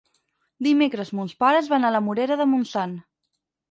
Dimecres mons pares van a la Morera de Montsant.